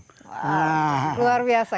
wah luar biasa